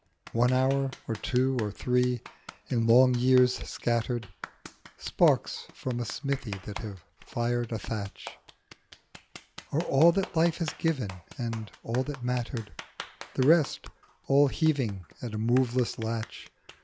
One hour, or two, or three, in long years scattered, Sparks from a smithy that have fired a thatch, Are all that life has given and all that mattered ; The rest, all heaving at a moveless latch.